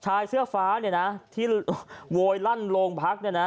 ชายเสื้อฟ้าเนี่ยนะที่โวยลั่นโรงพักเนี่ยนะ